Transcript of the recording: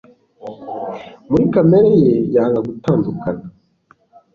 muri kamere ye yanga gutandukana